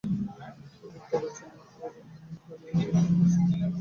পূর্বোক্ত আলোচনার পর ক্ষেমংকরীর কাছে হেমনলিনী সংকোচ বোধ করিল, ক্ষেমংকরীও বাধো-বাধো করিতে লাগিল।